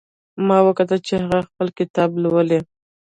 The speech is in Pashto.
ما وکتل چې هغه خپل کتاب لولي